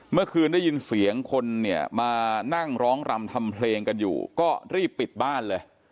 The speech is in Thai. เมื่อคืนได้ยินเสียงคนเนี่ยมานั่งร้องรำทำเพลงกันอยู่ก็รีบปิดบ้านเลย